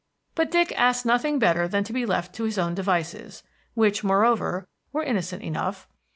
But Dick asked nothing better than to be left to his own devices, which, moreover, were innocent enough.